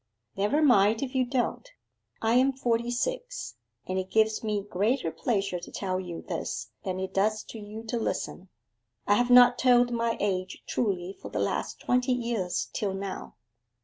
'Never mind if you don't. I am forty six; and it gives me greater pleasure to tell you this than it does to you to listen. I have not told my age truly for the last twenty years till now.